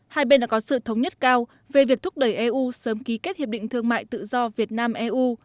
hai bên đã có sự thống nhất cao về việc thúc đẩy eu sớm ký kết hiệp định thương mại tự do việt nam eu